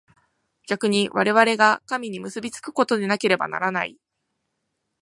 逆に我々が神に結び附くことでなければならない。